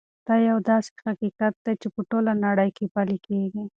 دا یو داسې حقیقت دی چې په ټوله نړۍ کې پلی کېږي.